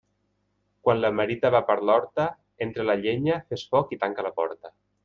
Quan la merita va per l'horta, entra la llenya, fes foc i tanca la porta.